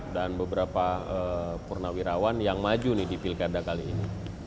dan beberapa purnawirawan yang maju nih di pilkada kali ini